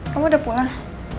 kamu udah pulang